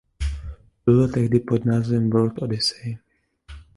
Plula tehdy pod názvem "World Odyssey".